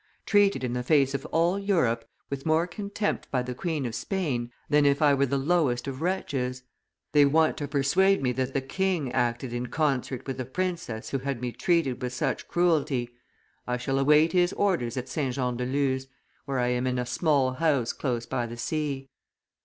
Treated in the face of all Europe, with more contempt by the Queen of Spain than if I were the lowest of wretches? They want to persuade me that the king acted in concert with a princess who had me treated with such cruelty. I shall await his orders at St. Jean de Luz, where I am in a small house close by the sea.